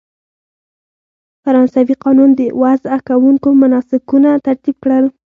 فرانسوي قانون وضع کوونکو مناسکونه ترتیب کړل.